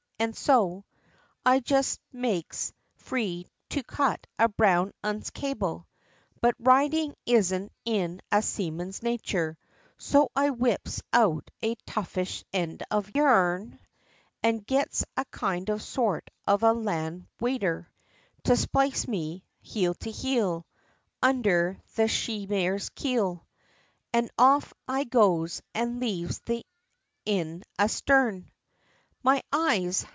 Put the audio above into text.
And so I just makes free to cut a brown 'un's cable. But riding isn't in a seaman's natur So I whips out a toughish end of yarn, And gets a kind of sort of a land waiter To splice me, heel to heel, Under the she mare's keel, And off I goes, and leaves the inn a starn! My eyes!